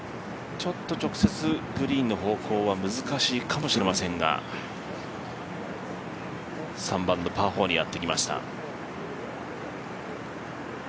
直接、グリーンの方向は難しいかもしれませんが３番のパー４にやってきました。